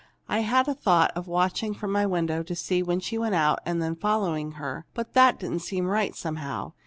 I had thought of watching from my window to see when she went out, and then following her. But that didn't seem right, somehow.